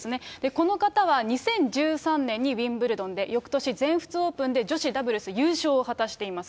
この方は２０１３年にウィンブルドンで、よくとし、全仏オープンで女子ダブルス優勝を果たしています。